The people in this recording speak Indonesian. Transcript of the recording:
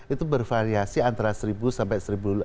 itu bervariasi antara seribu sampai enam ribu lima ratus